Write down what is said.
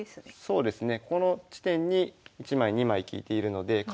そうですね。